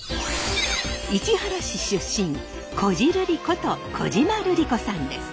市原市出身こじるりこと小島瑠璃子さんです。